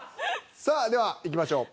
さあではいきましょう。